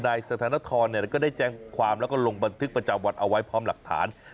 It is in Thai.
สถานทรก็ได้แจ้งความแล้วก็ลงบันทึกประจำวันเอาไว้พร้อมหลักฐาน